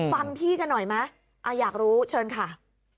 ฟังพี่กันหน่อยไหมอยากรู้เชิญค่ะ